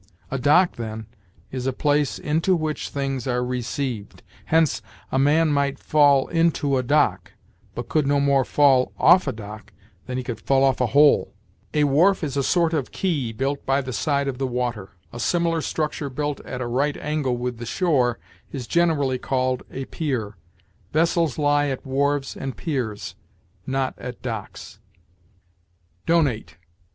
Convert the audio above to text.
A dock, then, is a place into which things are received; hence, a man might fall into a dock, but could no more fall off a dock than he could fall off a hole. A wharf is a sort of quay built by the side of the water. A similar structure built at a right angle with the shore is generally called a pier. Vessels lie at wharves and piers, not at docks. DONATE.